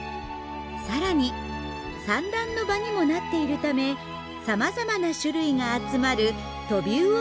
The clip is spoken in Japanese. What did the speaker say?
更に産卵の場にもなっているためさまざまな種類が集まるトビウオ